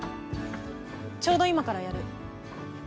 ちょうど今からやる。